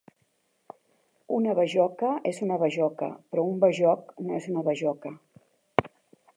Una bajoca és una bajoca, però un bajoc no és una bajoca.